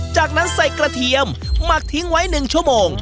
จากนั้นใส่กระเทียมหมักทิ้งไว้๑ชั่วโมง